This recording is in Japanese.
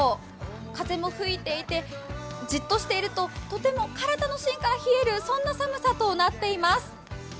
風も吹いていて、じっとしているととても体の芯から冷える、そんな寒さとなっています。